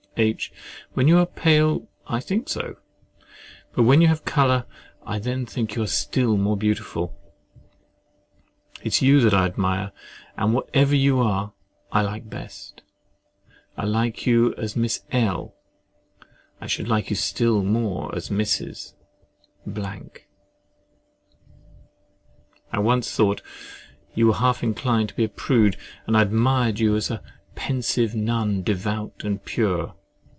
H. When you are pale, I think so; but when you have a colour, I then think you still more beautiful. It is you that I admire; and whatever you are, I like best. I like you as Miss L——, I should like you still more as Mrs. ——. I once thought you were half inclined to be a prude, and I admired you as a "pensive nun, devout and pure."